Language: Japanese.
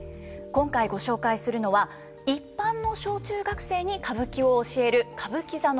今回ご紹介するのは一般の小中学生に歌舞伎を教える歌舞伎座の教室です。